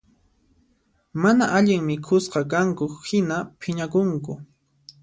Mana allin mikhusqakanku hina phiñakunku